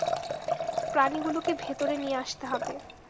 প্রাণীগুলোকে ভেতরে নিয়ে আসতে হবে।